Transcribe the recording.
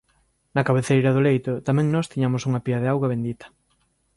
Na cabeceira do leito tamén nós tiñamos unha pía de auga bendita